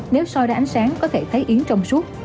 nếu soi ra ánh sáng có thể thấy yến trong suốt